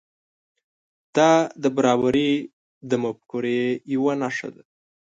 دا د برابري د مفکورې یو نښه ده.